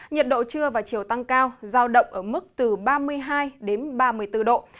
nhiệt độ trưa và chiều tăng cao giao động ở mức từ ba mươi hai đến ba mươi bốn độ